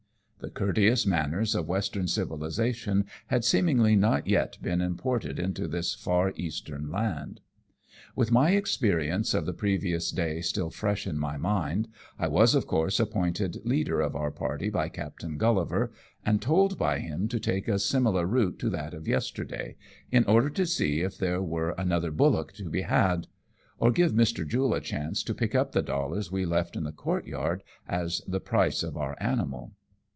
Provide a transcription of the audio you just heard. The courteous manners of Western civilization had seemingly not yet been imported into this far Eastern land. With my experience of the previous day still fresh in my mind, I was of course appointed leader of our party by Captain Gullivar, and told by him to take a similar route to that of yesterday, in order to see if there were another bullock to be had, or give Mr. Jule a chance to pick up the dollars we left in the courtyard as the price of our animal.